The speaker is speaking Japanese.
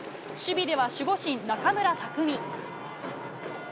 守備では守護神・中村匠。